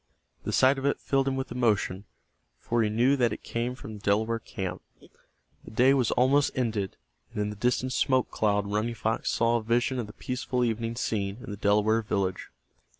The sight of it filled him with emotion, for he knew that it came from the Delaware camp. The day was almost ended, and in the distant smoke cloud Running Fox saw a vision of the peaceful evening scene in the Delaware village.